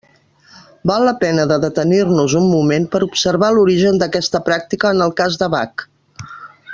Val la pena de detenir-nos un moment per observar l'origen d'aquesta pràctica en el cas de Bach.